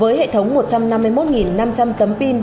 với hệ thống một trăm năm mươi một năm trăm linh tấm pin